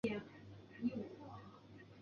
以下是广义的社会民主党列表。